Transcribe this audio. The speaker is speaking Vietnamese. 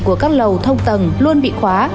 của các lầu thông tầng luôn bị khóa